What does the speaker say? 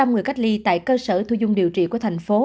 một trăm linh người cách ly tại cơ sở thu dung điều trị của thành phố